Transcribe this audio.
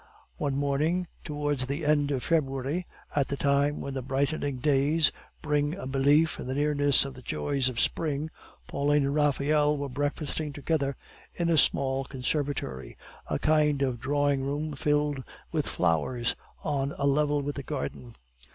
One morning towards the end of February, at the time when the brightening days bring a belief in the nearness of the joys of spring, Pauline and Raphael were breakfasting together in a small conservatory, a kind of drawing room filled with flowers, on a level with the garden.